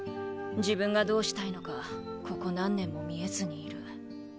自分がどうしたいのかここ何年も見えずにいる。